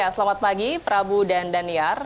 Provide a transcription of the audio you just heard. selamat pagi prabu dan daniar